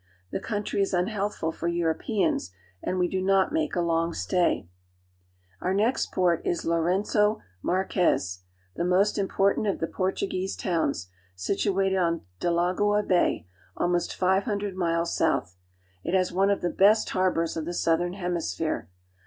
The country is unhealthful for Euro peans, and we do not make a long stay. Our next port is Lourengo Marquez (lo ren'so mar'kSs), the most important of the Portuguese towns, situated on Delagoa Bay, almost five hundred miles south. It has one of the best harbors of the southern hemisphere.